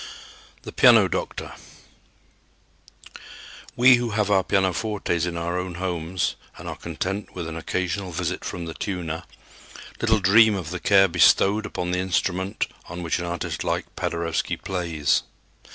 The "Piano Doctor." We who have our pianofortes in our own homes and are content with an occasional visit from the tuner, little dream of the care bestowed upon the instrument on which an artist like Paderewski plays.